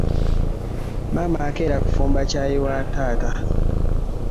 Maama akeera kufumba ccayi wa taata.